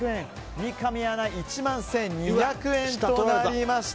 三上アナは１万１２００円となりました。